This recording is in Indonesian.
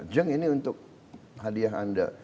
jung ini untuk hadiah anda